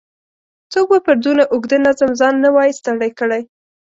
څوک به پر دونه اوږده نظم ځان نه وای ستړی کړی.